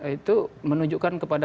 itu menunjukkan kepada